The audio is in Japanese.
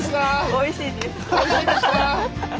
おいしいですか？